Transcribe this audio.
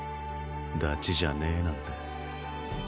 ダチじゃねぇなんて。